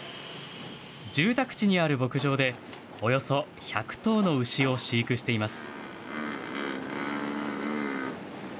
住宅地にある牧場で、およそ１００頭の牛を飼育しています。